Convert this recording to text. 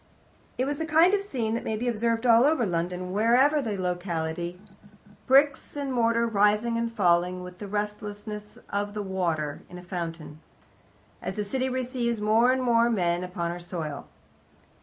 It was the kind of scene that may be observed all over London, whatever the locality bricks and mortar rising and falling with the restlessness of the water in a fountain, as the city receives more and more men upon her soil.